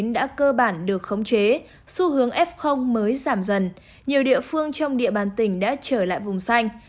đã cơ bản được khống chế xu hướng f mới giảm dần nhiều địa phương trong địa bàn tỉnh đã trở lại vùng xanh